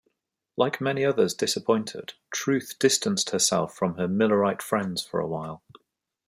Like many others disappointed, Truth distanced herself from her Millerite friends for a while.